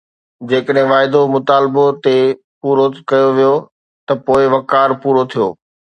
جيڪڏهن واعدو مطالبو تي پورو ڪيو ويو ته پوء وقار پورو ٿيو